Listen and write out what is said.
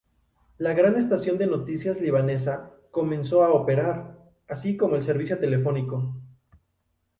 La gran estación de noticias libanesa comenzó a operar, así como el servicio telefónico.